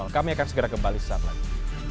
kami akan segera kembali sesaat lagi